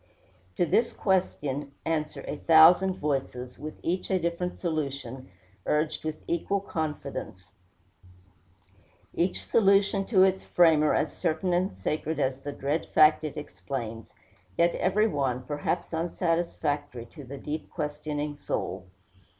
To this question answer a thousand voices, with each a different solution, urged with equal confidence each solution to its framer as certain and sacred as the dread fact it explains yet every one, perhaps, unsatisfactory to the deep questioning soul.